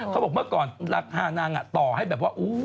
เขาบอกเมื่อก่อนรักห้านางอะต่อให้แบบว่าอุ้วววววย